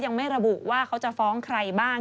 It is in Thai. ยังไม่ระบุว่าเขาจะฟ้องใครบ้าง